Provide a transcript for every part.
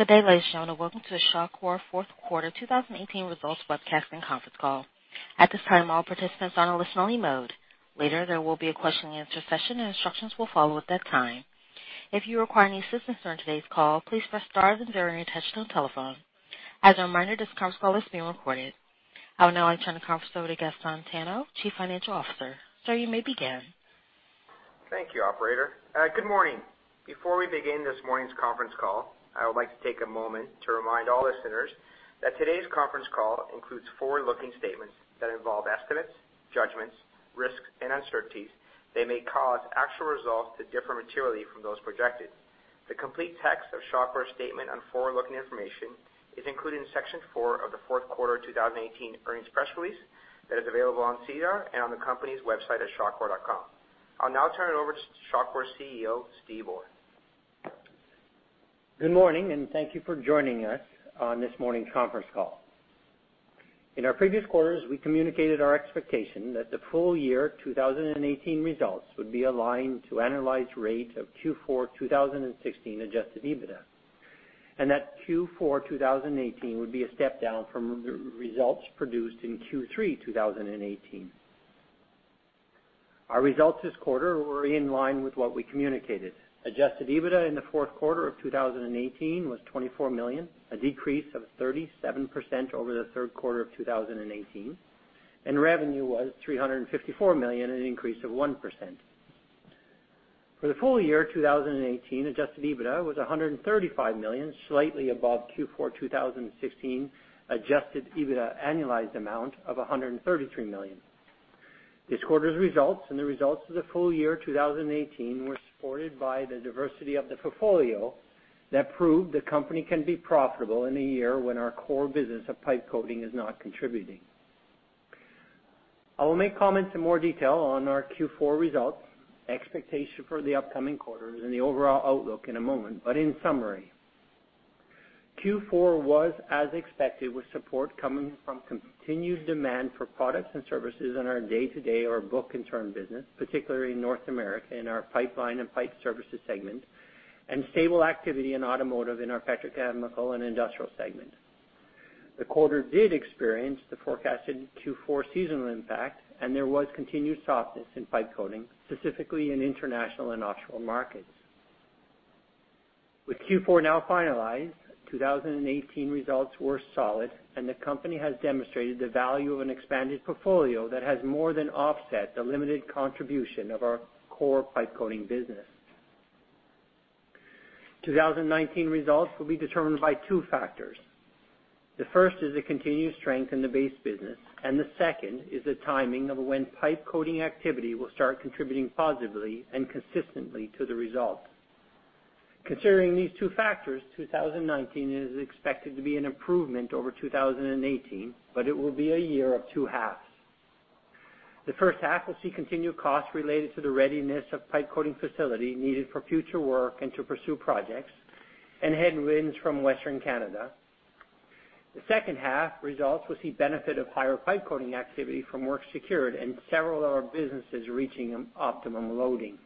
Good day, ladies and gentlemen, and welcome to the Shawcor Fourth Quarter 2018 Results Webcast and Conference Call. At this time, all participants are in a listen-only mode. Later, there will be a question-and-answer session, and instructions will follow at that time. If you require any assistance during today's call, please press star then zero, touch on telephone. As a reminder, this conference call is being recorded. I will now turn the conference over to Gaston Tano, Chief Financial Officer. Sir, you may begin. Thank you, operator. Good morning. Before we begin this morning's conference call, I would like to take a moment to remind all listeners that today's conference call includes forward-looking statements that involve estimates, judgments, risks, and uncertainties that may cause actual results to differ materially from those projected. The complete text of Shawcor statement on forward-looking information is included in Section Four of the fourth quarter 2018 earnings press release that is available on SEDAR and on the company's website at shawcor.com. I'll now turn it over to Shawcor's CEO, Steve Orr. Good morning, and thank you for joining us on this morning's conference call. In our previous quarters, we communicated our expectation that the full year 2018 results would be aligned to annualized rate of Q4 2016 adjusted EBITDA, and that Q4 2018 would be a step down from the results produced in Q3 2018. Our results this quarter were in line with what we communicated. Adjusted EBITDA in the fourth quarter of 2018 was 24 million, a decrease of 37% over the third quarter of 2018, and revenue was 354 million, an increase of 1%. For the full year 2018, Adjusted EBITDA was $135 million, slightly above Q4 2016 Adjusted EBITDA annualized amount of $133 million. This quarter's results and the results of the full year 2018 were supported by the diversity of the portfolio that proved the company can be profitable in a year when our core business of pipe coating is not contributing. I will make comments in more detail on our Q4 results, expectation for the upcoming quarters, and the overall outlook in a moment. In summary, Q4 was as expected, with support coming from continued demand for products and services in our day-to-day or book and turn business, particularly in North America, in our pipeline and pipe services segment, and stable activity in automotive, in our petrochemical and industrial segment. The quarter did experience the forecasted Q4 seasonal impact, and there was continued softness in pipe coating, specifically in international and offshore markets. With Q4 now finalized, 2018 results were solid, and the company has demonstrated the value of an expanded portfolio that has more than offset the limited contribution of our core pipe coating business. 2019 results will be determined by two factors. The first is the continued strength in the base business, and the second is the timing of when pipe coating activity will start contributing positively and consistently to the result. Considering these two factors, 2019 is expected to be an improvement over 2018, but it will be a year of two halves. The first half will see continued costs related to the readiness of pipe coating facility needed for future work and to pursue projects and headwinds from Western Canada. The second half results will see benefit of higher pipe coating activity from work secured and several of our businesses reaching an optimum loading.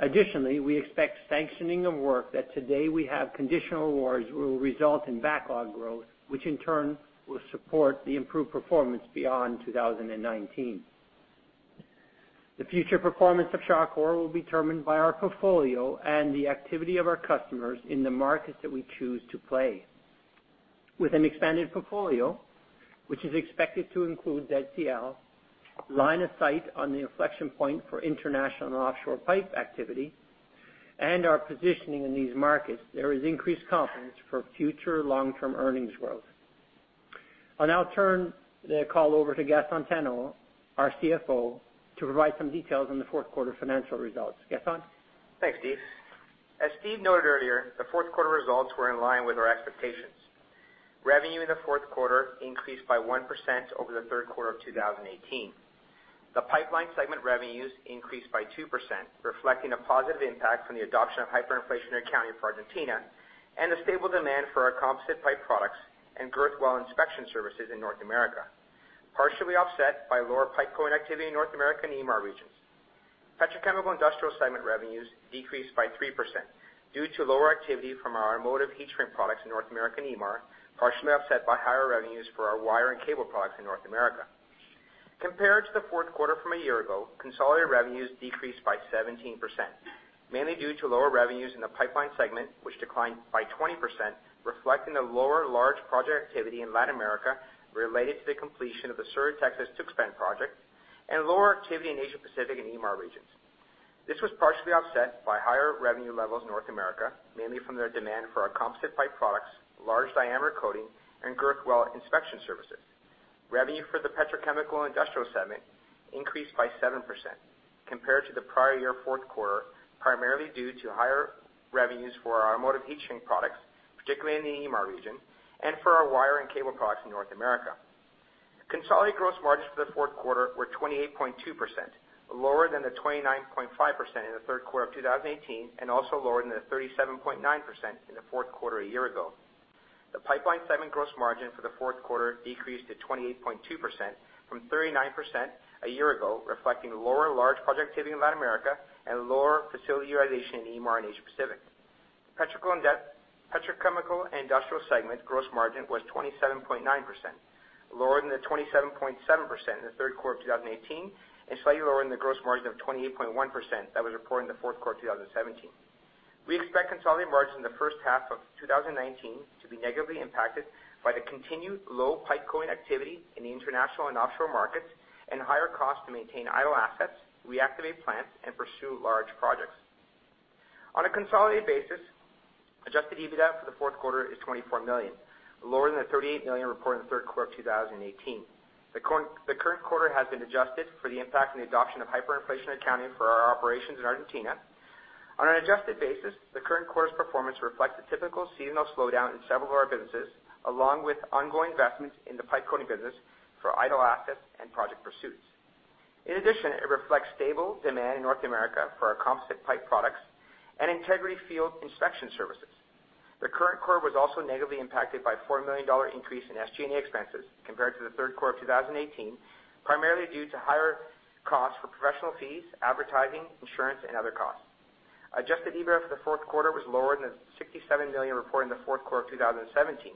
Additionally, we expect sanctioning of work that today we have conditional awards will result in backlog growth, which in turn will support the improved performance beyond 2019. The future performance of Shawcor will be determined by our portfolio and the activity of our customers in the markets that we choose to play. With an expanded portfolio, which is expected to include ZCL, line of sight on the inflection point for international and offshore pipe activity, and our positioning in these markets, there is increased confidence for future long-term earnings growth. I'll now turn the call over to Gaston Tano, our CFO, to provide some details on the fourth quarter financial results. Gaston? Thanks, Steve. As Steve noted earlier, the fourth quarter results were in line with our expectations. Revenue in the fourth quarter increased by 1% over the third quarter of 2018. The pipeline segment revenues increased by 2%, reflecting a positive impact from the adoption of hyperinflationary accounting in Argentina and the stable demand for our composite pipe products and girth weld inspection services in North America, partially offset by lower pipe coating activity in North America and EMAR regions. Petrochemical industrial segment revenues decreased by 3% due to lower activity from our automotive heat shrink products in North America and EMAR, partially offset by higher revenues for our wire and cable products in North America. Compared to the fourth quarter from a year ago, consolidated revenues decreased by 17%, mainly due to lower revenues in the pipeline segment, which declined by 20%, reflecting the lower large project activity in Latin America related to the completion of the Sur de Texas-Tuxpan project and lower activity in Asia Pacific and EMAR regions. This was partially offset by higher revenue levels in North America, mainly from the demand for our composite pipe products, large diameter coating, and girth weld inspection services. Revenue for the petrochemical and industrial segment increased by 7% compared to the prior year fourth quarter, primarily due to higher revenues for our automotive heat shrink products, particularly in the EMAR region, and for our wire and cable products in North America. Consolidated gross margins for the fourth quarter were 28.2%, lower than the 29.5% in the third quarter of 2018, and also lower than the 37.9% in the fourth quarter a year ago. The pipeline segment gross margin for the fourth quarter decreased to 28.2% from 39% a year ago, reflecting lower large project activity in Latin America and lower facility utilization in EMAR and Asia Pacific. Petrochemical and industrial segment gross margin was 27.9%, lower than the 27.7% in the third quarter of 2018, and slightly lower than the gross margin of 28.1% that was reported in the fourth quarter of 2017. We expect consolidated margins in the first half of 2019 to be negatively impacted by the continued low pipe coating activity in the international and offshore markets, and higher costs to maintain idle assets, reactivate plants, and pursue large projects. On a consolidated basis, Adjusted EBITDA for the fourth quarter is $24 million, lower than the $38 million reported in the third quarter of 2018. The current quarter has been adjusted for the impact and adoption of hyperinflationary accounting for our operations in Argentina. On an adjusted basis, the current quarter's performance reflects the typical seasonal slowdown in several of our businesses, along with ongoing investments in the pipe coating business for idle assets and project pursuits. In addition, it reflects stable demand in North America for our composite pipe products and integrity field inspection services. The current quarter was also negatively impacted by a $4 million increase in SG&A expenses compared to the third quarter of 2018, primarily due to higher costs for professional fees, advertising, insurance, and other costs. Adjusted EBITDA for the fourth quarter was lower than the $67 million reported in the fourth quarter of 2017.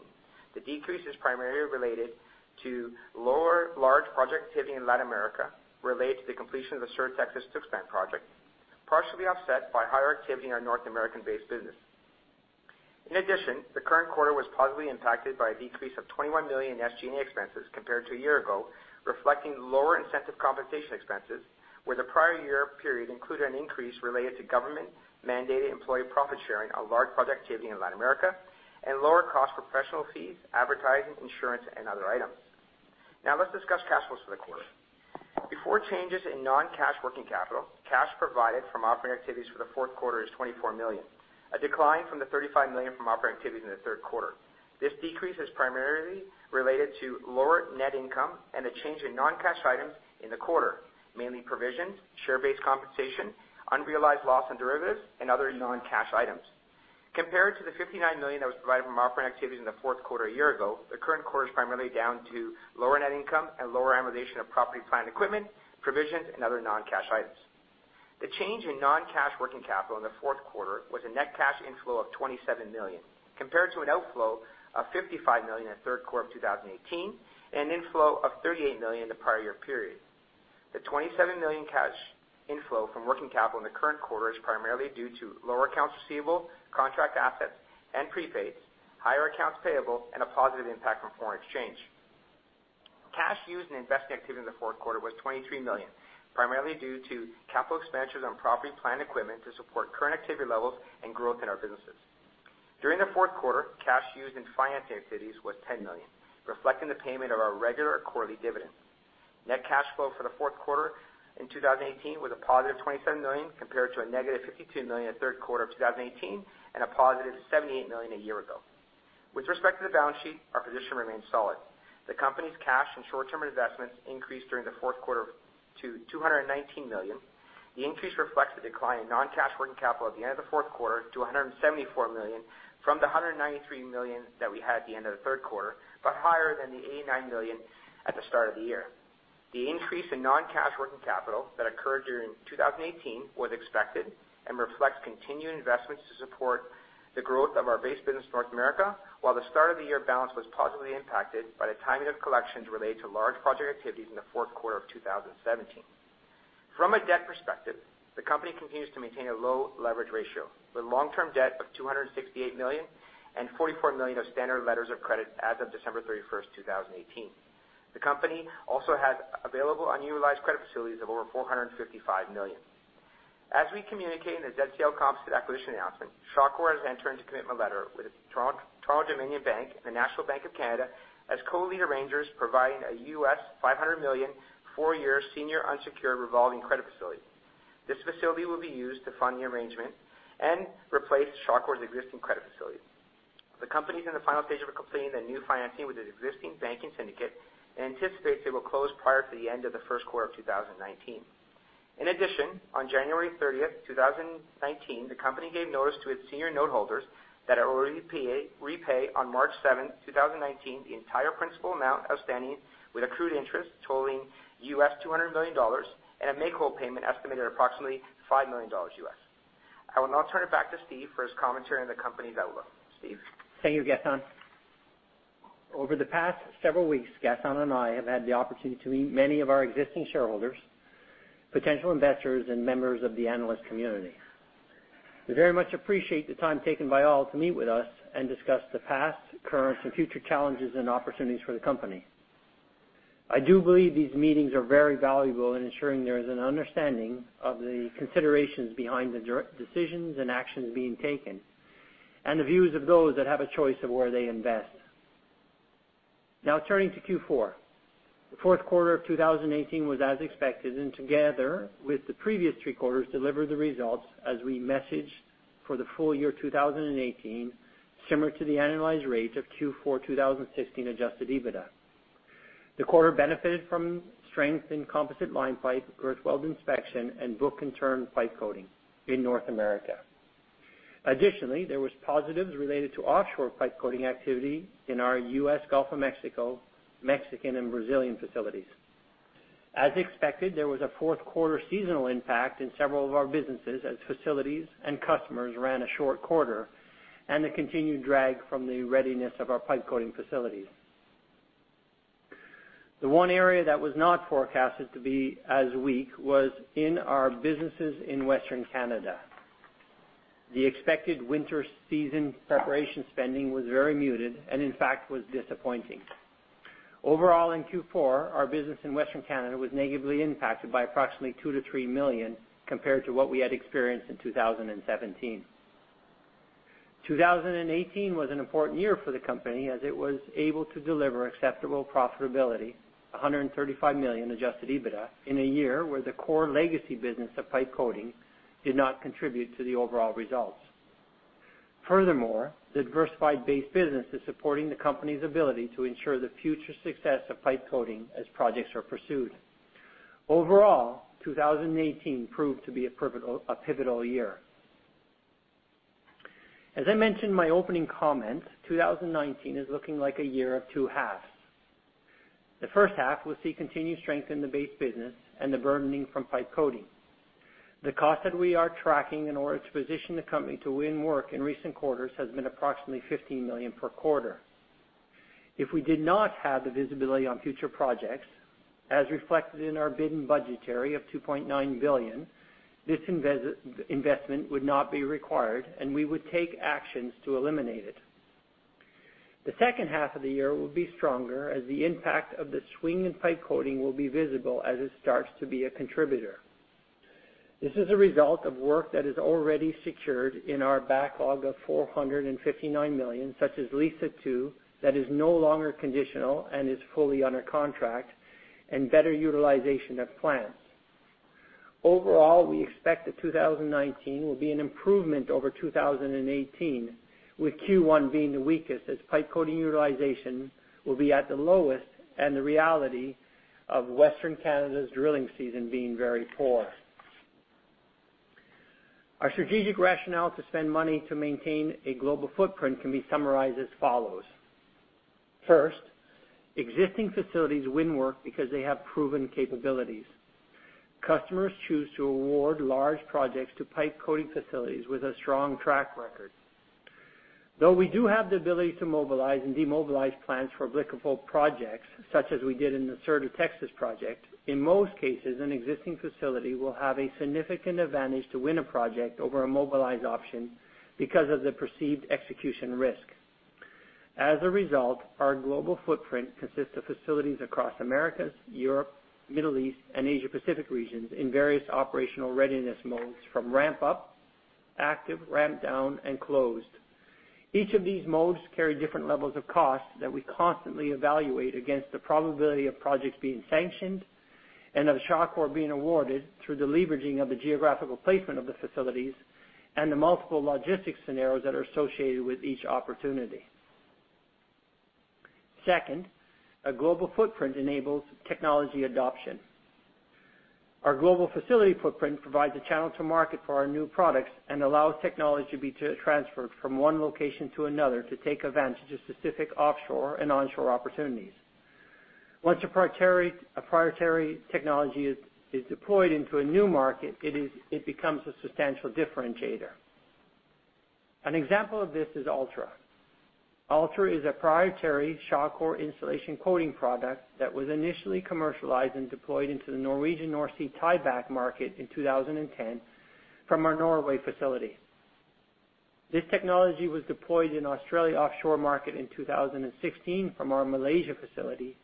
The decrease is primarily related to lower large project activity in Latin America, related to the completion of the Sur de Texas-Tuxpan project, partially offset by higher activity in our North American-based business. In addition, the current quarter was positively impacted by a decrease of 21 million in SG&A expenses compared to a year ago, reflecting lower incentive compensation expenses, where the prior year period included an increase related to government-mandated employee profit sharing on large project activity in Latin America, and lower cost for professional fees, advertising, insurance, and other items. Now let's discuss cash flows for the quarter. Before changes in non-cash working capital, cash provided from operating activities for the fourth quarter is 24 million, a decline from the 35 million from operating activities in the third quarter. This decrease is primarily related to lower net income and a change in non-cash items in the quarter, mainly provisions, share-based compensation, unrealized loss on derivatives, and other non-cash items. Compared to the 59 million that was provided from operating activities in the fourth quarter a year ago, the current quarter is primarily down to lower net income and lower amortization of property, plant, and equipment, provisions, and other non-cash items. The change in non-cash working capital in the fourth quarter was a net cash inflow of 27 million, compared to an outflow of 55 million in the third quarter of 2018, and an inflow of 38 million in the prior year period. The 27 million cash inflow from working capital in the current quarter is primarily due to lower accounts receivable, contract assets, and prepaids, higher accounts payable, and a positive impact from foreign exchange. Cash used in investing activity in the fourth quarter was 23 million, primarily due to capital expenditures on property, plant, and equipment to support current activity levels and growth in our businesses. During the fourth quarter, cash used in financing activities was 10 million, reflecting the payment of our regular quarterly dividend. Net cash flow for the fourth quarter in 2018 was a positive 27 million, compared to a negative 52 million in the third quarter of 2018, and a positive 78 million a year ago. With respect to the balance sheet, our position remains solid. The company's cash and short-term investments increased during the fourth quarter to 219 million. The increase reflects the decline in non-cash working capital at the end of the fourth quarter to 174 million, from the 193 million that we had at the end of the third quarter, but higher than the 89 million at the start of the year. The increase in non-cash working capital that occurred during 2018 was expected and reflects continued investments to support the growth of our base business in North America, while the start of the year balance was positively impacted by the timing of collections related to large project activities in the fourth quarter of 2017. From a debt perspective, the company continues to maintain a low leverage ratio, with long-term debt of CAD 268 million and CAD 44 million of standard letters of credit as of December 31, 2018. The company also has available unused credit facilities of over CAD 455 million. As we communicated in the ZCL Composites acquisition announcement, Shawcor has entered into a commitment letter with The Toronto-Dominion Bank and the National Bank of Canada as co-lead arrangers, providing a $500 million, four-year senior unsecured revolving credit facility. This facility will be used to fund the acquisition and replace Shawcor's existing credit facilities. The company is in the final stage of completing the new financing with its existing banking syndicate and anticipates it will close prior to the end of the first quarter of 2019. In addition, on January 30, 2019, the company gave notice to its senior note holders that it will repay on March 7, 2019, the entire principal amount outstanding with accrued interest totaling $200 million and a make-whole payment estimated at approximately $5 million. I will now turn it back to Steve for his commentary on the company's outlook. Steve? Thank you, Gaston. Over the past several weeks, Gaston and I have had the opportunity to meet many of our existing shareholders, potential investors, and members of the analyst community. We very much appreciate the time taken by all to meet with us and discuss the past, current, and future challenges and opportunities for the company. I do believe these meetings are very valuable in ensuring there is an understanding of the considerations behind the decisions and actions being taken, and the views of those that have a choice of where they invest. Now, turning to Q4. The fourth quarter of 2018 was as expected, and together with the previous three quarters, delivered the results as we messaged for the full year 2018, similar to the annualized rate of Q4 2016 Adjusted EBITDA.... The quarter benefited from strength in composite line pipe, girth weld inspection, and book and turn pipe coating in North America. Additionally, there was positives related to offshore pipe coating activity in our U.S. Gulf of Mexico, Mexican and Brazilian facilities. As expected, there was a fourth quarter seasonal impact in several of our businesses as facilities and customers ran a short quarter and a continued drag from the readiness of our pipe coating facilities. The one area that was not forecasted to be as weak was in our businesses in Western Canada. The expected winter season preparation spending was very muted, and in fact, was disappointing. Overall, in Q4, our business in Western Canada was negatively impacted by approximately 2-3 million compared to what we had experienced in 2017. 2018 was an important year for the company as it was able to deliver acceptable profitability, 135 million Adjusted EBITDA, in a year where the core legacy business of pipe coating did not contribute to the overall results. Furthermore, the diversified base business is supporting the company's ability to ensure the future success of pipe coating as projects are pursued. Overall, 2018 proved to be a pivotal year. As I mentioned in my opening comments, 2019 is looking like a year of two halves. The first half will see continued strength in the base business and the burdening from pipe coating. The cost that we are tracking in order to position the company to win work in recent quarters has been approximately 15 million per quarter. If we did not have the visibility on future projects, as reflected in our bid book and budgetary of $2.9 billion, this investment would not be required, and we would take actions to eliminate it. The second half of the year will be stronger, as the impact of the swing in pipe coating will be visible as it starts to be a contributor. This is a result of work that is already secured in our backlog of $459 million, such as Liza II, that is no longer conditional and is fully under contract, and better utilization of plants. Overall, we expect that 2019 will be an improvement over 2018, with Q1 being the weakest, as pipe coating utilization will be at the lowest and the reality of Western Canada's drilling season being very poor. Our strategic rationale to spend money to maintain a global footprint can be summarized as follows: First, existing facilities win work because they have proven capabilities. Customers choose to award large projects to pipe coating facilities with a strong track record. Though we do have the ability to mobilize and demobilize plants for applicable projects, such as we did in the Sur de Texas-Tuxpan project, in most cases, an existing facility will have a significant advantage to win a project over a mobilized option because of the perceived execution risk. As a result, our global footprint consists of facilities across Americas, Europe, Middle East, and Asia Pacific regions in various operational readiness modes, from ramp-up, active, ramp-down, and closed. Each of these modes carry different levels of cost that we constantly evaluate against the probability of projects being sanctioned and of Shawcor being awarded through the leveraging of the geographical placement of the facilities and the multiple logistics scenarios that are associated with each opportunity. Second, a global footprint enables technology adoption. Our global facility footprint provides a channel to market for our new products and allows technology to be transferred from one location to another to take advantage of specific offshore and onshore opportunities. Once a proprietary technology is deployed into a new market, it becomes a substantial differentiator. An example of this is Ultra. Ultra is a proprietary Shawcor insulation coating product that was initially commercialized and deployed into the Norwegian North Sea tieback market in 2010 from our Norway facility. This technology was deployed in Australia offshore market in 2016 from our Malaysia facility,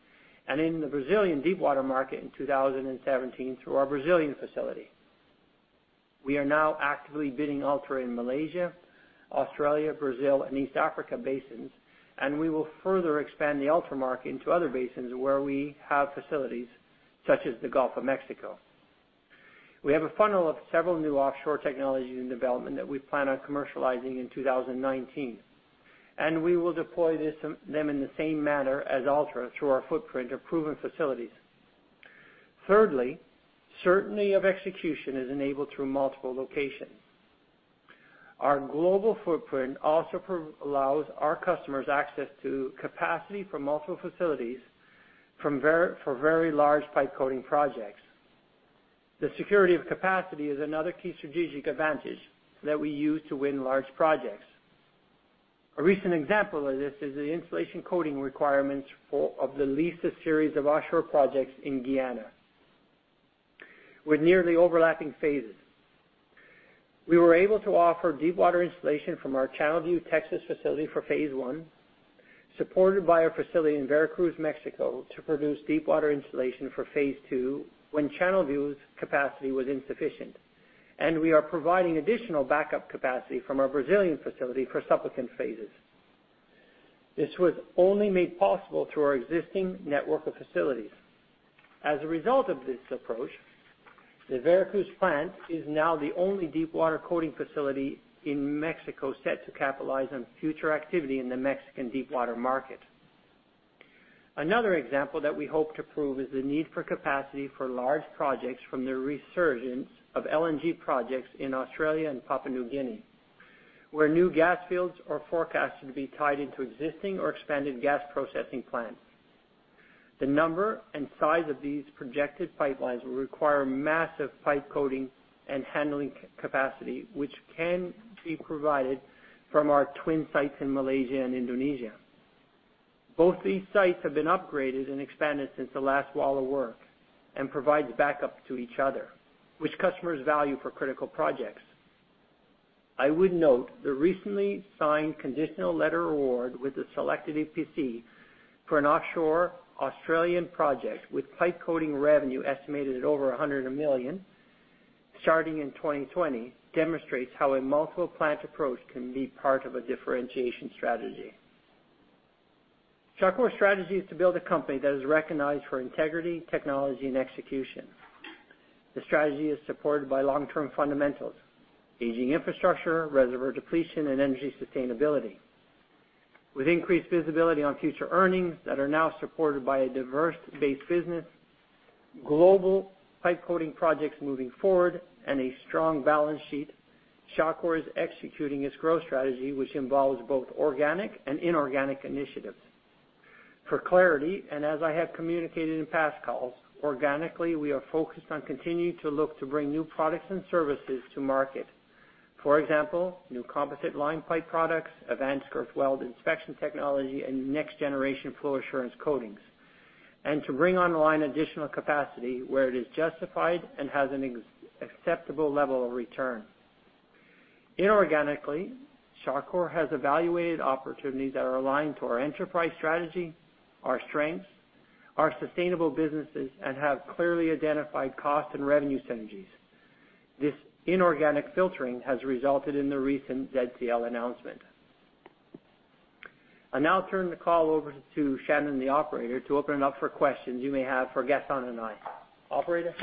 and in the Brazilian deepwater market in 2017 through our Brazilian facility. We are now actively bidding Ultra in Malaysia, Australia, Brazil, and East Africa basins, and we will further expand the Ultra market into other basins where we have facilities, such as the Gulf of Mexico. We have a funnel of several new offshore technologies in development that we plan on commercializing in 2019, and we will deploy them in the same manner as Ultra through our footprint of proven facilities. Thirdly, certainty of execution is enabled through multiple locations. Our global footprint also provides our customers access to capacity from multiple facilities for very large pipe coating projects. The security of capacity is another key strategic advantage that we use to win large projects. A recent example of this is the insulation coating requirements for the Liza series of offshore projects in Guyana, with nearly overlapping phases. We were able to offer deepwater insulation from our Channelview, Texas, facility for phase one, supported by our facility in Veracruz, Mexico, to produce deepwater insulation for phase two when Channelview's capacity was insufficient, and we are providing additional backup capacity from our Brazilian facility for subsequent phases. This was only made possible through our existing network of facilities. As a result of this approach, the Veracruz plant is now the only deepwater coating facility in Mexico set to capitalize on future activity in the Mexican deepwater market. Another example that we hope to prove is the need for capacity for large projects from the resurgence of LNG projects in Australia and Papua New Guinea, where new gas fields are forecasted to be tied into existing or expanded gas processing plants. The number and size of these projected pipelines will require massive pipe coating and handling capacity, which can be provided from our twin sites in Malaysia and Indonesia. Both these sites have been upgraded and expanded since the last wave of work and provides backup to each other, which customers value for critical projects. I would note the recently signed conditional letter award with the selected EPC for an offshore Australian project, with pipe coating revenue estimated at over $100 million, starting in 2020, demonstrates how a multiple plant approach can be part of a differentiation strategy. Shawcor's strategy is to build a company that is recognized for integrity, technology, and execution. The strategy is supported by long-term fundamentals, aging infrastructure, reservoir depletion, and energy sustainability. With increased visibility on future earnings that are now supported by a diverse base business, global pipe coating projects moving forward, and a strong balance sheet, Shawcor is executing its growth strategy, which involves both organic and inorganic initiatives. For clarity, and as I have communicated in past calls, organically, we are focused on continuing to look to bring new products and services to market. For example, new composite line pipe products, advanced girth weld inspection technology, and next-generation flow assurance coatings, and to bring online additional capacity where it is justified and has an acceptable level of return. Inorganically, Shawcor has evaluated opportunities that are aligned to our enterprise strategy, our strengths, our sustainable businesses, and have clearly identified cost and revenue synergies. This inorganic filtering has resulted in the recent ZCL announcement. I'll now turn the call over to Shannon, the operator, to open it up for questions you may have for Gaston and I. Operator?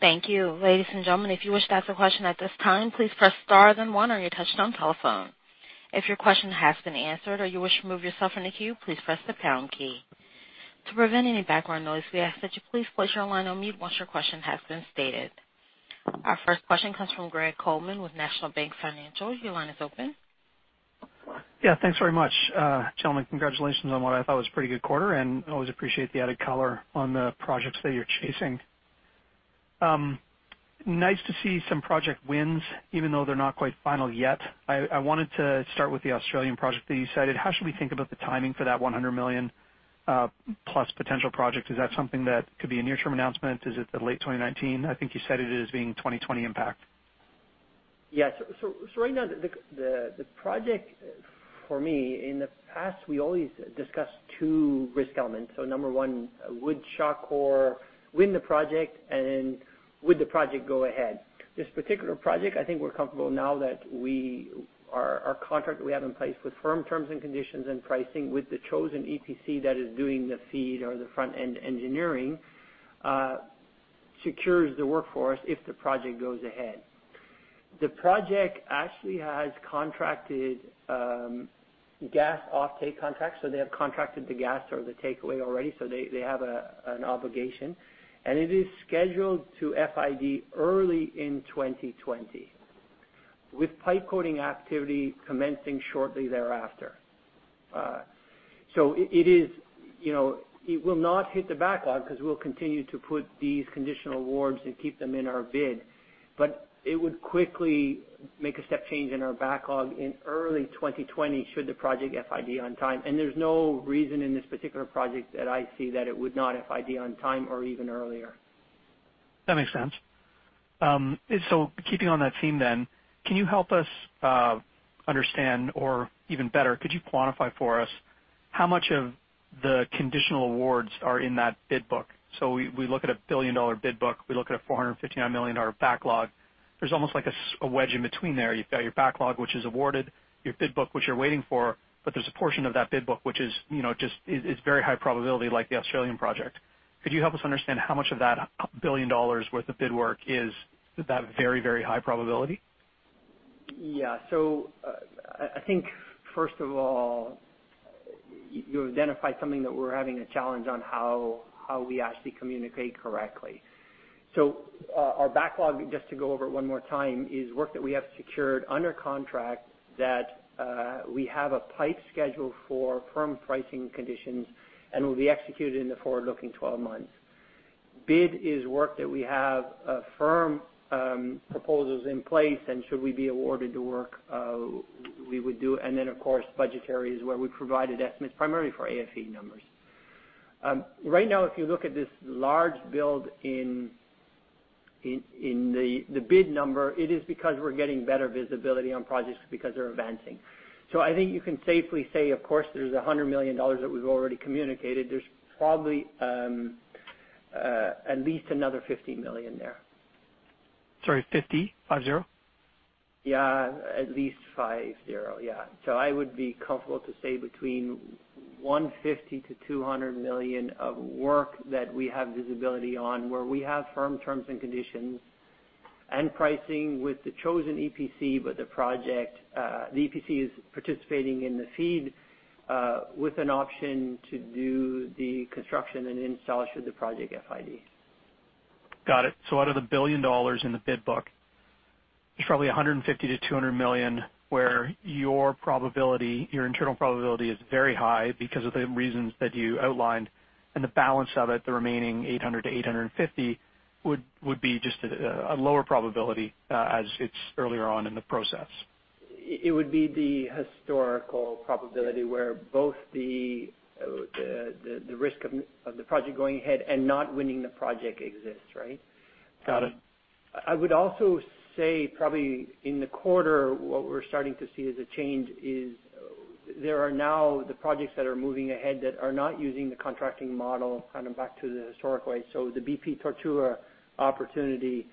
Thank you. Ladies and gentlemen, if you wish to ask a question at this time, please press star then one on your touchtone telephone. If your question has been answered or you wish to remove yourself from the queue, please press the pound key. To prevent any background noise, we ask that you please place your line on mute once your question has been stated. Our first question comes from Greg Colman with National Bank Financial. Your line is open. Yeah, thanks very much. Gentlemen, congratulations on what I thought was a pretty good quarter, and always appreciate the added color on the projects that you're chasing. Nice to see some project wins, even though they're not quite final yet. I wanted to start with the Australian project that you cited. How should we think about the timing for that 100 million-plus potential project? Is that something that could be a near-term announcement? Is it the late 2019? I think you said it as being 2020 impact. Yes. So right now, the project for me, in the past, we always discussed two risk elements. So number one, would Shawcor win the project, and would the project go ahead? This particular project, I think we're comfortable now that our contract we have in place with firm terms and conditions and pricing with the chosen EPC that is doing the FEED or the front-end engineering secures the workforce if the project goes ahead. The project actually has contracted gas offtake contracts, so they have contracted the gas or the takeaway already, so they have an obligation. And it is scheduled to FID early in 2020, with pipe coating activity commencing shortly thereafter. So it is, you know, it will not hit the backlog because we'll continue to put these conditional awards and keep them in our bid. But it would quickly make a step change in our backlog in early 2020, should the project FID on time. And there's no reason in this particular project that I see that it would not FID on time or even earlier. That makes sense. And so keeping on that theme then, can you help us understand, or even better, could you quantify for us how much of the conditional awards are in that bid book? So we look at a $1 billion bid book, we look at a $459 million backlog. There's almost like a wedge in between there. You've got your backlog, which is awarded, your bid book, which you're waiting for, but there's a portion of that bid book, which is, you know, just is very high probability, like the Australian project. Could you help us understand how much of that $1 billion worth of bid work is that very, very high probability? Yeah. So, I think, first of all, you identified something that we're having a challenge on how we actually communicate correctly. So, our backlog, just to go over it one more time, is work that we have secured under contract that we have a pipe schedule for firm pricing conditions and will be executed in the forward-looking twelve months. Bid is work that we have firm proposals in place, and should we be awarded the work, we would do. And then, of course, budgetary is where we provided estimates primarily for AFE numbers. Right now, if you look at this large build in the bid number, it is because we're getting better visibility on projects because they're advancing. So I think you can safely say, of course, there's $100 million that we've already communicated. There's probably at least another 50 million there.... Sorry, 50? 5 0? Yeah, at least 50. Yeah. So I would be comfortable to say between 150 million-200 million of work that we have visibility on, where we have firm terms and conditions and pricing with the chosen EPC, but the project, the EPC is participating in the FEED, with an option to do the construction and install should the project FID. Got it. So out of the $1 billion in the bid book, there's probably $150 million-$200 million where your probability, your internal probability is very high because of the reasons that you outlined, and the balance of it, the remaining $800 million-$850 million, would be just a lower probability as it's earlier on in the process. It would be the historical probability where both the risk of the project going ahead and not winning the project exists, right? Got it. I would also say probably in the quarter, what we're starting to see as a change is, there are now the projects that are moving ahead that are not using the contracting model, kind of back to the historic way. So the BP Tortue opportunity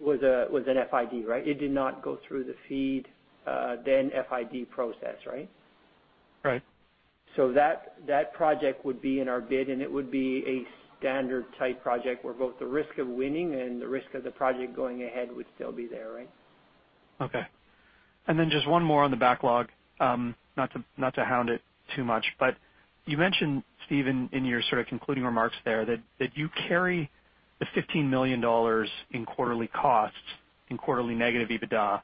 was a, was an FID, right? It did not go through the FEED, then FID process, right? Right. So, that project would be in our bid, and it would be a standard type project, where both the risk of winning and the risk of the project going ahead would still be there, right? Okay. And then just one more on the backlog. Not to, not to hound it too much, but you mentioned, Steve, in, in your sort of concluding remarks there, that, that you carry the $15 million in quarterly costs, in quarterly negative EBITDA,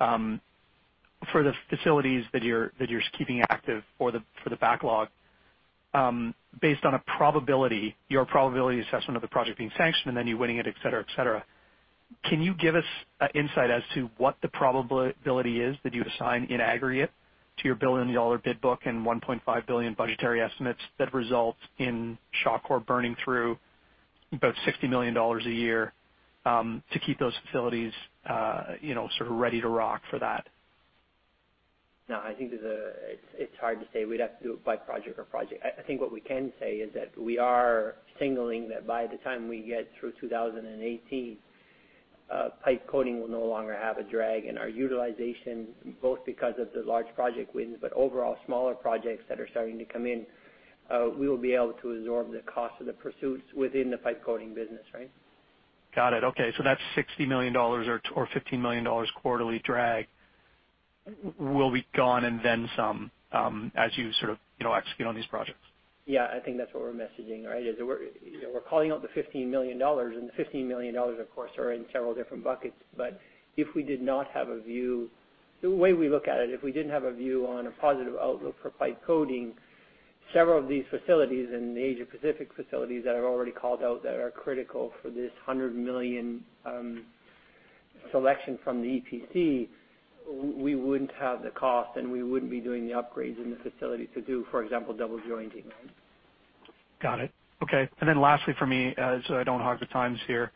for the facilities that you're, that you're keeping active for the, for the backlog, based on a probability, your probability assessment of the project being sanctioned and then you winning it, et cetera, et cetera. Can you give us an insight as to what the probability is that you assign in aggregate to your $1 billion bid book and $1.5 billion budgetary estimates that result in Shawcor burning through about $60 million a year, to keep those facilities, you know, sort of ready to rock for that? No, I think it's hard to say. We'd have to do it by project or project. I think what we can say is that we are signaling that by the time we get through 2018, pipe coating will no longer have a drag in our utilization, both because of the large project wins, but overall, smaller projects that are starting to come in, we will be able to absorb the cost of the pursuits within the pipe coating business, right? Got it. Okay, so that's $60 million or, or $15 million quarterly drag will be gone and then some, as you sort of, you know, execute on these projects. Yeah, I think that's what we're messaging, right? Is we're, you know, we're calling out the $15 million, and the $15 million, of course, are in several different buckets. But if we did not have a view... The way we look at it, if we didn't have a view on a positive outlook for pipe coating, several of these facilities in the Asia Pacific facilities that I've already called out, that are critical for this $100 million selection from the EPC, we wouldn't have the cost, and we wouldn't be doing the upgrades in the facility to do, for example, double jointing, right? Got it. Okay. And then lastly for me, so I don't hog the times here,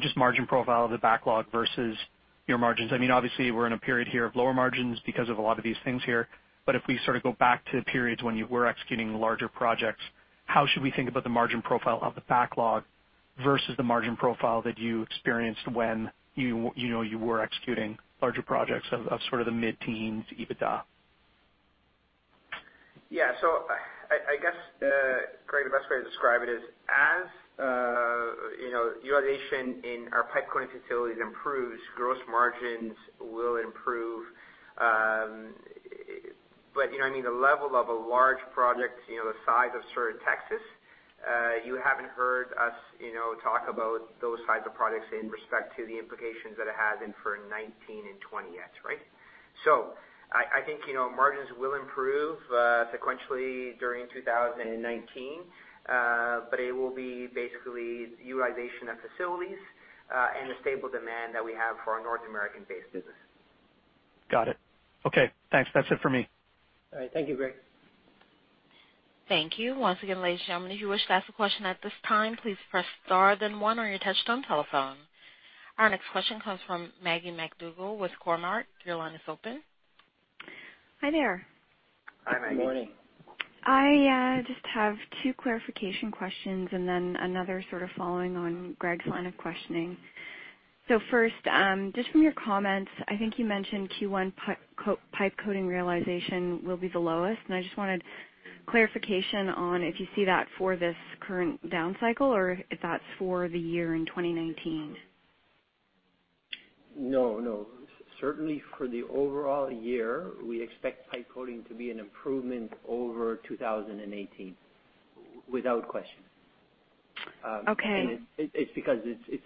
just margin profile of the backlog versus your margins. I mean, obviously, we're in a period here of lower margins because of a lot of these things here. But if we sort of go back to periods when you were executing larger projects, how should we think about the margin profile of the backlog versus the margin profile that you experienced when you, you know, you were executing larger projects of sort of the mid-teens EBITDA? Yeah. So I guess, Greg, the best way to describe it is, as you know, utilization in our pipe coating facilities improves, gross margins will improve. But you know, I mean, the level of a large project, you know, the size of Sur de Texas, you haven't heard us, you know, talk about those types of projects in respect to the implications that it has in for 2019 and 2020 yet, right? So I think, you know, margins will improve sequentially during 2019, but it will be basically utilization of facilities and the stable demand that we have for our North American-based business. Got it. Okay, thanks. That's it for me. All right. Thank you, Greg. Thank you. Once again, ladies and gentlemen, if you wish to ask a question at this time, please press Star then One on your touchtone telephone. Our next question comes from Maggie MacDougall with Cormark. Your line is open. Hi there. Hi, Maggie. Good morning. I just have two clarification questions and then another sort of following on Greg's line of questioning. So first, just from your comments, I think you mentioned Q1 pipe coating realization will be the lowest, and I just wanted clarification on if you see that for this current down cycle or if that's for the year in 2019. No, no. Certainly for the overall year, we expect pipe coating to be an improvement over 2018, without question. Okay. And it's because it's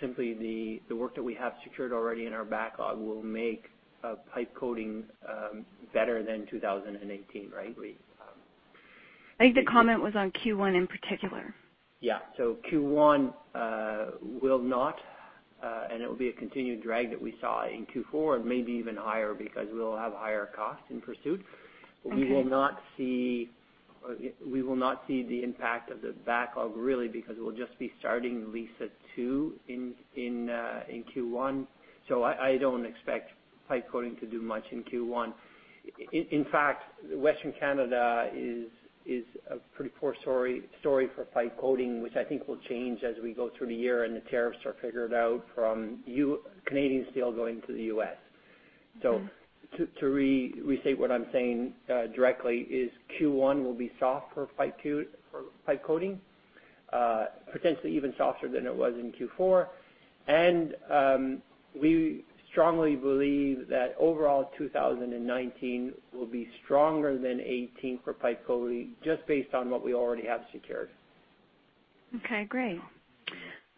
simply the work that we have secured already in our backlog will make pipe coating better than 2018, right? We- I think the comment was on Q1 in particular. Yeah. So Q1 will not, and it will be a continued drag that we saw in Q4 and maybe even higher because we'll have higher costs in pursuit. Okay. We will not see the impact of the backlog, really, because we'll just be starting Liza 2 in Q1. So I don't expect pipe coating to do much in Q1. In fact, Western Canada is a pretty poor story for pipe coating, which I think will change as we go through the year and the tariffs are figured out from U.S.-Canadian steel going to the U.S. So to restate what I'm saying directly, is Q1 will be soft for pipe coating, potentially even softer than it was in Q4. And we strongly believe that overall, 2019 will be stronger than 2018 for pipe coating, just based on what we already have secured. Okay, great.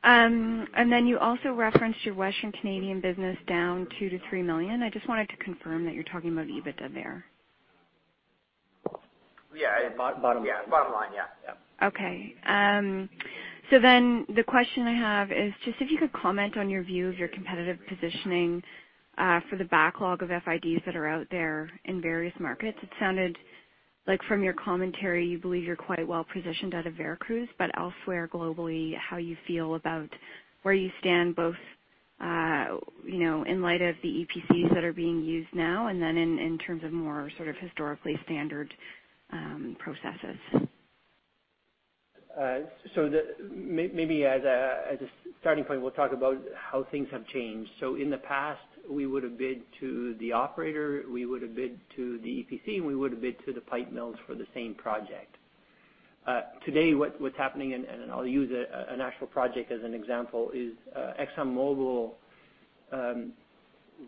Then you also referenced your Western Canadian business down 2-3 million. I just wanted to confirm that you're talking about EBITDA there? Yeah, bottom line, yeah, yeah. Okay. So then the question I have is just if you could comment on your view of your competitive positioning for the backlog of FIDs that are out there in various markets. It sounded like from your commentary, you believe you're quite well positioned out of Veracruz, but elsewhere globally, how you feel about where you stand, both, you know, in light of the EPCs that are being used now, and then in, in terms of more sort of historically standard processes? Maybe as a starting point, we'll talk about how things have changed. So in the past, we would have bid to the operator, we would have bid to the EPC, and we would have bid to the pipe mills for the same project. Today, what's happening, and I'll use an actual project as an example, is ExxonMobil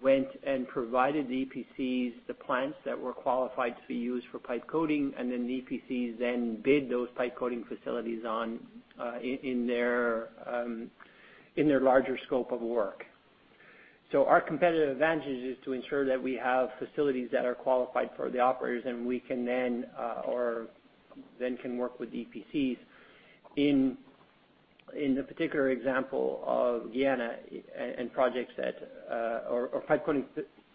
went and provided the EPCs, the plants that were qualified to be used for pipe coating, and then the EPCs then bid those pipe coating facilities on in their larger scope of work. So our competitive advantage is to ensure that we have facilities that are qualified for the operators, and we can then or then can work with EPCs. In the particular example of Guyana and projects that or pipe coating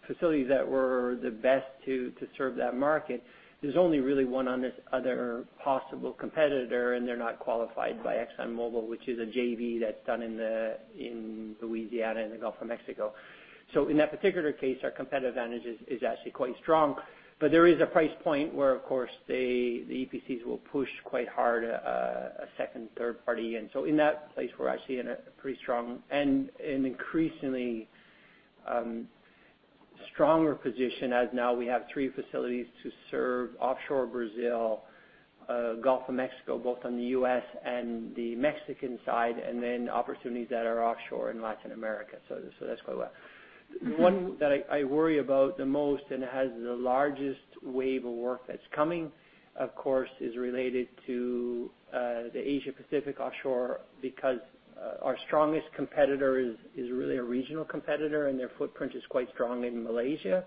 facilities that were the best to serve that market, there's only really one other possible competitor, and they're not qualified by ExxonMobil, which is a JV that's done in Louisiana, in the Gulf of Mexico. So in that particular case, our competitive advantage is actually quite strong. But there is a price point where, of course, the EPCs will push quite hard a second, third party. And so in that place, we're actually in a pretty strong and an increasingly stronger position, as now we have three facilities to serve offshore Brazil, Gulf of Mexico, both on the U.S. and the Mexican side, and then opportunities that are offshore in Latin America. So that's quite well. One that I worry about the most, and it has the largest wave of work that's coming, of course, is related to the Asia Pacific offshore, because our strongest competitor is really a regional competitor, and their footprint is quite strong in Malaysia.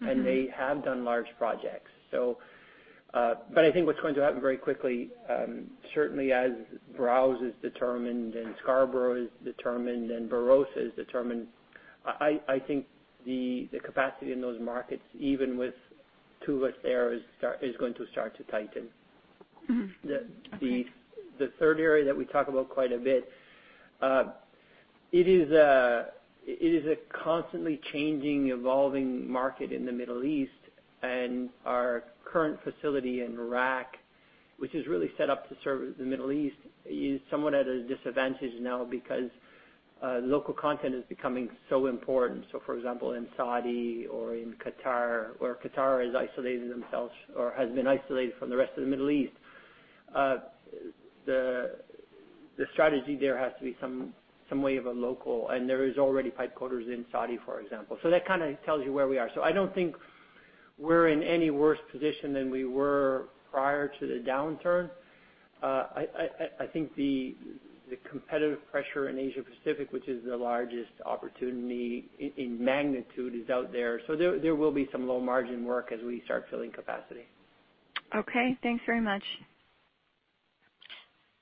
They have done large projects. But I think what's going to happen very quickly, certainly as Browse is determined and Scarborough is determined and Barossa is determined, I think the capacity in those markets, even with two of us there, is going to start to tighten. Okay. the third area that we talk about quite a bit, it is a constantly changing, evolving market in the Middle East. And our current facility in Iraq, which is really set up to serve the Middle East, is somewhat at a disadvantage now because local content is becoming so important. So for example, in Saudi or in Qatar, where Qatar has isolated themselves or has been isolated from the rest of the Middle East, the strategy there has to be some way of a local, and there is already pipe coaters in Saudi, for example. So that kind of tells you where we are. So I don't think we're in any worse position than we were prior to the downturn. I think the competitive pressure in Asia Pacific, which is the largest opportunity in magnitude, is out there. So there will be some low-margin work as we start filling capacity. Okay, thanks very much.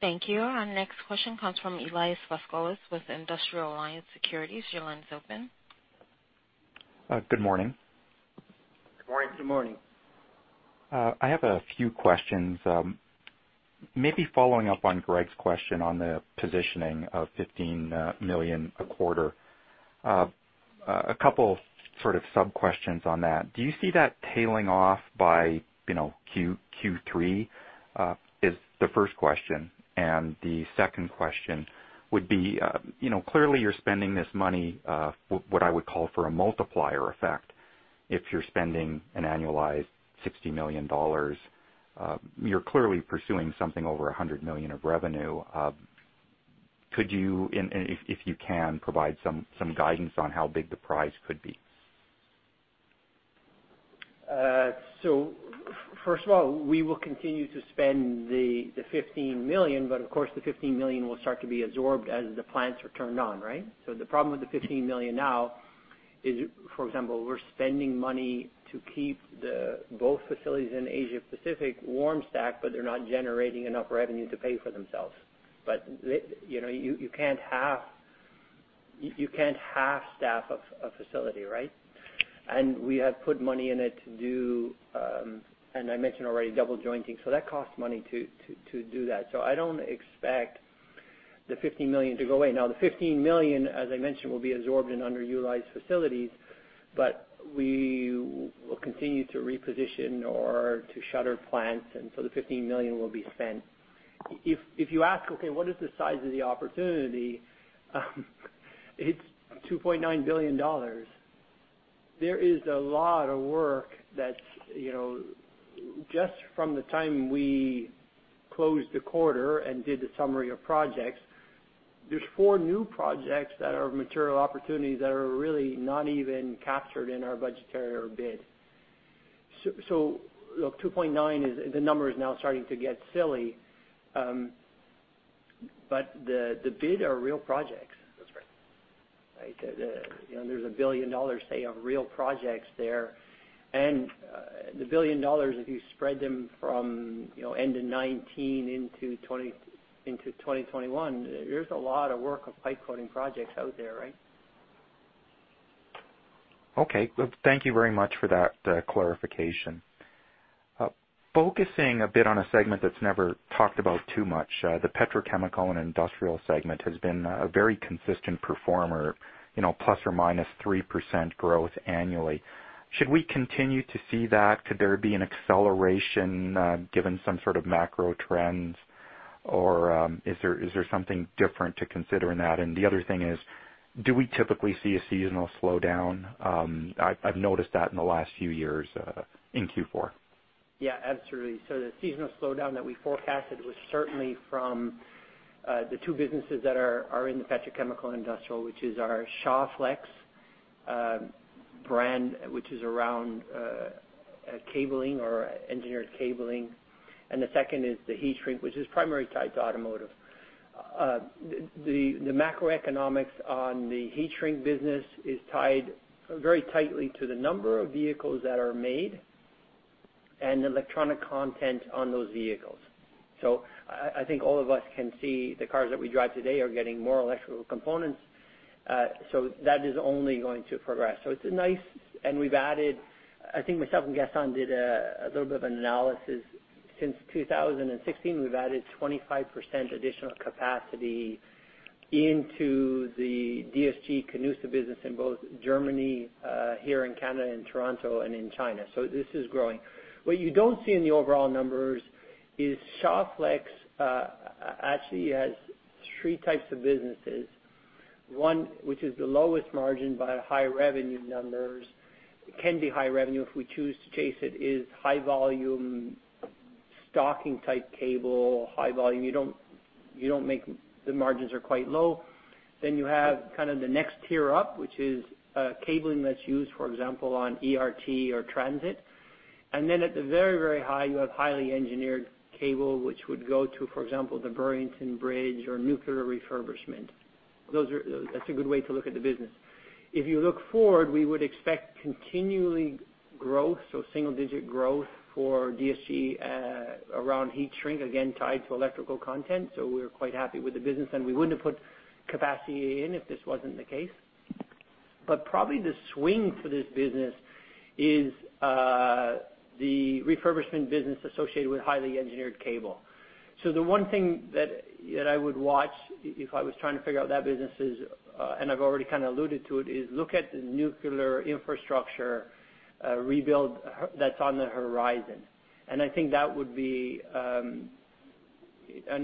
Thank you. Our next question comes from Elias Foscolos with Industrial Alliance Securities. Your line is open. Good morning. Good morning. Good morning. I have a few questions. Maybe following up on Greg's question on the positioning of $15 million a quarter. A couple sort of sub-questions on that: Do you see that tailing off by, you know, Q3? Is the first question. And the second question would be, you know, clearly you're spending this money, what I would call, for a multiplier effect. If you're spending an annualized $60 million, you're clearly pursuing something over $100 million of revenue. Could you, and if you can, provide some guidance on how big the prize could be? So first of all, we will continue to spend the 15 million, but of course, the 15 million will start to be absorbed as the plants are turned on, right? So the problem with the 15 million now is, for example, we're spending money to keep both facilities in Asia Pacific warm stack, but they're not generating enough revenue to pay for themselves. But you know, you can't have... You can't half-staff a facility, right? And we have put money in it to do, and I mentioned already, double jointing, so that costs money to do that. So I don't expect the 15 million to go away. Now, the 15 million, as I mentioned, will be absorbed in underutilized facilities, but we will continue to reposition or to shutter plants, and so the 15 million will be spent. If you ask, okay, what is the size of the opportunity? It's $2.9 billion. There is a lot of work that, you know, just from the time we closed the quarter and did the summary of projects, there's four new projects that are material opportunities that are really not even captured in our budgetary or bid. So look, 2.9 is- the number is now starting to get silly, but the bid are real projects. That's right. Right? You know, there's $1 billion, say, of real projects there. And the $1 billion, if you spread them from, you know, end of 2019 into 2020, into 2021, there's a lot of work of pipe coating projects out there, right? Okay. Well, thank you very much for that, clarification. Focusing a bit on a segment that's never talked about too much, the petrochemical and industrial segment has been a very consistent performer, you know, plus or minus 3% growth annually. Should we continue to see that? Could there be an acceleration, given some sort of macro trends, or, is there, is there something different to consider in that? And the other thing is, do we typically see a seasonal slowdown? I've noticed that in the last few years, in Q4. Yeah, absolutely. So the seasonal slowdown that we forecasted was certainly from the two businesses that are in the petrochemical industrial, which is our Shawflex brand, which is around cabling or engineered cabling. And the second is the heat shrink, which is primarily tied to automotive. The macroeconomics on the heat shrink business is tied very tightly to the number of vehicles that are made and electronic content on those vehicles. So I think all of us can see the cars that we drive today are getting more electrical components, so that is only going to progress. So it's a nice... And we've added, I think myself and Gaston did a little bit of an analysis. Since 2016, we've added 25% additional capacity into the DSG-Canusa business in both Germany, here in Canada, in Toronto, and in China. So this is growing. What you don't see in the overall numbers is Shawflex actually has three types of businesses. One, which is the lowest margin, but high revenue numbers, can be high revenue if we choose to chase it, is high volume, stocking type cable, high volume. You don't make. The margins are quite low. Then you have kind of the next tier up, which is cabling that's used, for example, on LRT or transit. And then at the very, very high, you have highly engineered cable, which would go to, for example, the Burlington Bridge or nuclear refurbishment. That's a good way to look at the business. If you look forward, we would expect continual growth, so single-digit growth for DSG around heat shrink, again, tied to electrical content. So we're quite happy with the business, and we wouldn't have put capacity in if this wasn't the case. But probably the swing for this business is the refurbishment business associated with highly engineered cable. So the one thing that I would watch if I was trying to figure out that business is, and I've already kind of alluded to it, is look at the nuclear infrastructure rebuild that's on the horizon. And I think that would be an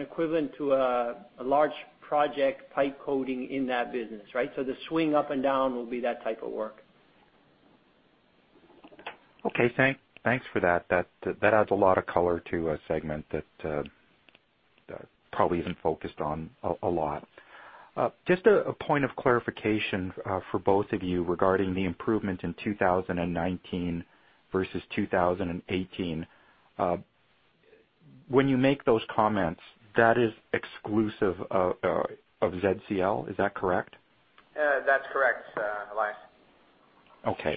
equivalent to a large project, pipe coating in that business, right? So the swing up and down will be that type of work. Okay, thanks for that. That adds a lot of color to a segment that probably isn't focused on a lot. Just a point of clarification for both of you regarding the improvement in 2019 versus 2018. When you make those comments, that is exclusive of ZCL. Is that correct? That's correct, Elias. Okay.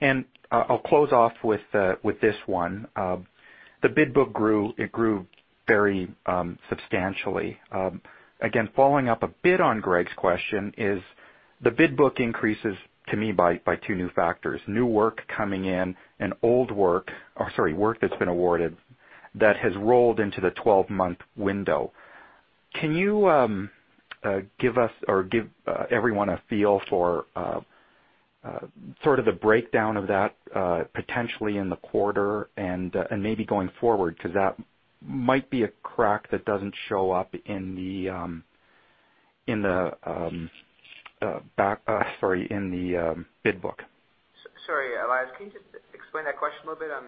And I, I'll close off with, with this one. The bid book grew, it grew very, substantially. Again, following up a bit on Greg's question is, the bid book increases to me by, by two new factors: new work coming in and old work... Or sorry, work that's been awarded, that has rolled into the twelve-month window. Can you, give us or give, everyone a feel for, sort of the breakdown of that, potentially in the quarter and, and maybe going forward? Because that might be a crack that doesn't show up in the, in the, back, sorry, in the, bid book. Sorry, Elias, can you just explain that question a little bit? I'm,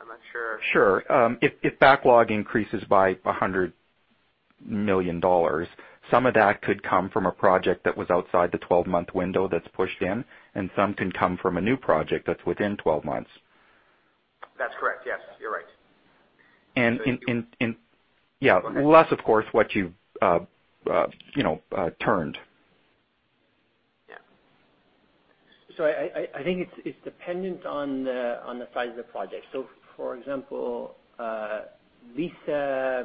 I'm not sure. Sure. If backlog increases by $100 million, some of that could come from a project that was outside the 12-month window that's pushed in, and some can come from a new project that's within 12 months. That's correct. Yes, you're right. And in, yeah- Okay. Less, of course, what you've, you know, turned. Yeah. So I think it's dependent on the size of the project. So for example, Liza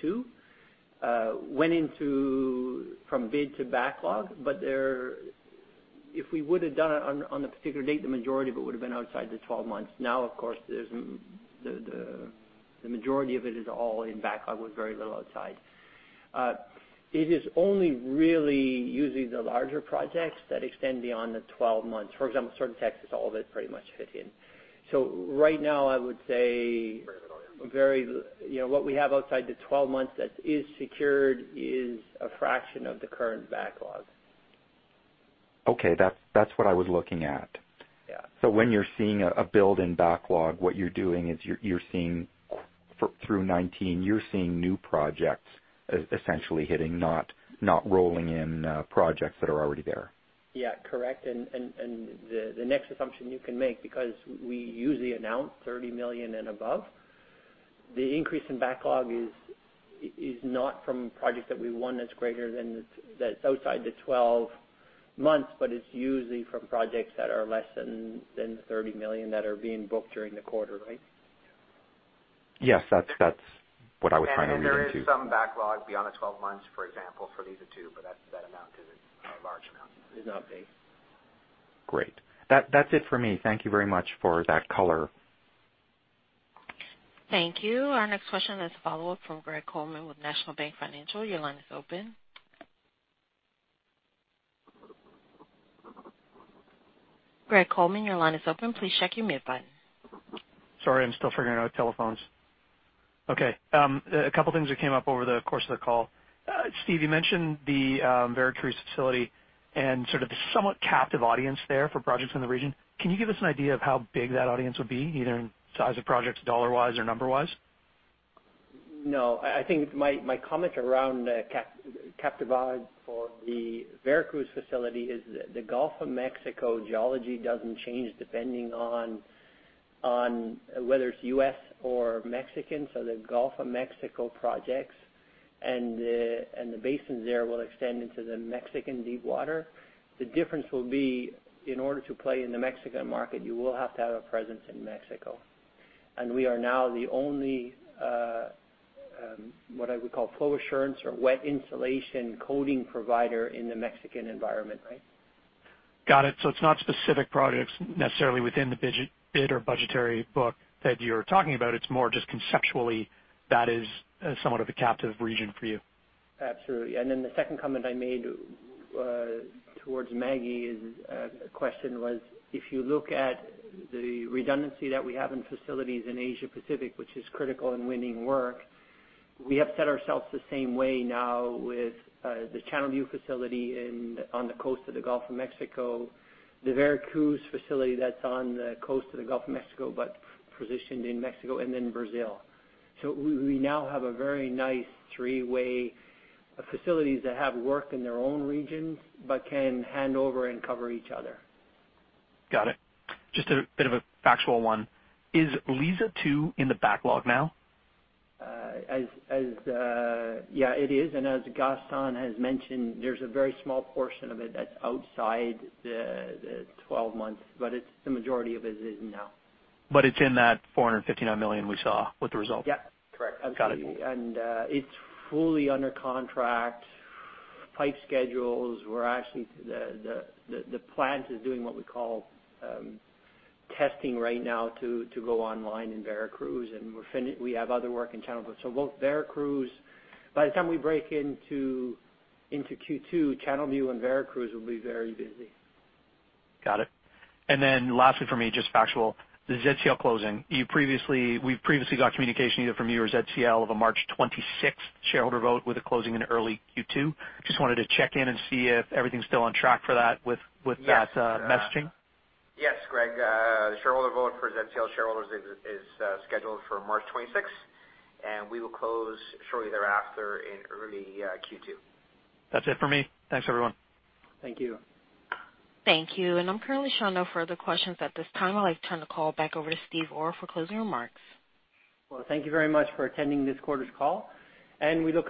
2 went from bid to backlog, but if we would've done it on a particular date, the majority of it would've been outside the 12 months. Now, of course, the majority of it is all in backlog with very little outside. It is only really using the larger projects that extend beyond the 12 months. For example, Sur de Texas all that pretty much fit in. So right now, I would say, you know, what we have outside the 12 months that is secured is a fraction of the current backlog. Okay, that's, that's what I was looking at. Yeah. So when you're seeing a build in backlog, what you're doing is you're seeing through 2019, you're seeing new projects essentially hitting, not rolling in, projects that are already there. Yeah, correct. And the next assumption you can make, because we usually announce 30 million and above, the increase in backlog is not from projects that we won that's greater than, that's outside the 12 months, but it's usually from projects that are less than the 30 million that are being booked during the quarter, right? Yes, that's, that's what I was trying to lead into. There is some backlog beyond the 12 months, for example, for Liza Phase 2, but that, that amount isn't a large amount. It's not big. Great. That, that's it for me. Thank you very much for that color. Thank you. Our next question is a follow-up from Greg Colman with National Bank Financial. Your line is open. Greg Colman, your line is open. Please check your mute button. Sorry, I'm still figuring out telephones. Okay, a couple of things that came up over the course of the call. Steve, you mentioned the Veracruz facility and sort of the somewhat captive audience there for projects in the region. Can you give us an idea of how big that audience would be, either in size of projects, dollar-wise or number-wise? No, I think my comment around the captive audience for the Veracruz facility is the Gulf of Mexico geology doesn't change depending on whether it's U.S. or Mexican. So the Gulf of Mexico projects and the basins there will extend into the Mexican deep water. The difference will be, in order to play in the Mexican market, you will have to have a presence in Mexico. And we are now the only, what I would call flow assurance or wet insulation coating provider in the Mexican environment, right? Got it. So it's not specific projects necessarily within the bid or budgetary book that you're talking about. It's more just conceptually, that is somewhat of a captive region for you. Absolutely. And then the second comment I made towards Maggie is, the question was, if you look at the redundancy that we have in facilities in Asia Pacific, which is critical in winning work, we have set ourselves the same way now with the Channelview facility on the coast of the Gulf of Mexico, the Veracruz facility that's on the coast of the Gulf of Mexico, but positioned in Mexico and then Brazil. So we now have a very nice three-way facilities that have worked in their own regions, but can hand over and cover each other. Got it. Just a bit of a factual one. Is Liza 2 in the backlog now? Yeah, it is, and as Gaston has mentioned, there's a very small portion of it that's outside the 12 months, but it's the majority of it is now. It's in that 459 million we saw with the result? Yeah, correct. Got it. It's fully under contract. Pipe schedules were actually. The plant is doing what we call testing right now to go online in Veracruz, and we have other work in Channelview. So both Veracruz, by the time we break into Q2, Channelview and Veracruz will be very busy. Got it. And then lastly for me, just factual, the ZCL closing. You previously—we previously got communication either from you or ZCL of a March twenty-sixth shareholder vote with a closing in early Q2. Just wanted to check in and see if everything's still on track for that with that messaging. Yes, Greg. The shareholder vote for ZCL shareholders is scheduled for March twenty-sixth, and we will close shortly thereafter in early Q2. That's it for me. Thanks, everyone. Thank you. Thank you. I'm currently showing no further questions at this time. I'd like to turn the call back over to Steve Orr for closing remarks. Well, thank you very much for attending this quarter's call, and we look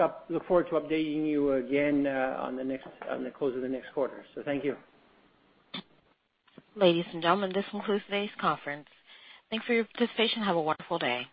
forward to updating you again, on the next, on the close of the next quarter. So thank you. Ladies and gentlemen, this concludes today's conference. Thanks for your participation, and have a wonderful day.